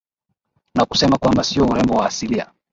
na kusema kwamba sio urembo wa asilia